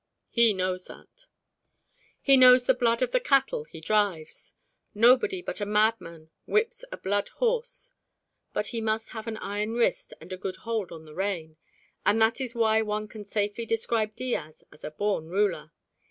He knows that. He knows the blood of the cattle he drives. Nobody but a madman whips a blood horse; but he must have an iron wrist and a good hold on the rein. And that is why one can safely describe Diaz as a born ruler.